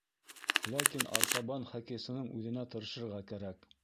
Ләкин артабан хоккейсының үҙенә тырышырға кәрәк.